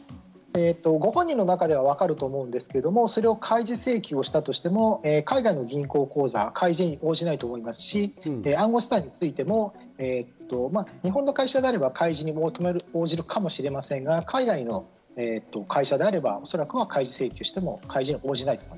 ご本人の中でわかると思うんですが開示請求をしたとしても海外の銀行口座は開示に応じないと思いますし、暗号資産についても日本の会社であれば開示に応じるかもしれませんが、海外の会社であれば、おそらく開示請求をしても応じないと。